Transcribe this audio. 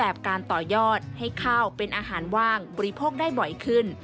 บริโภคได้บ่อยขึ้น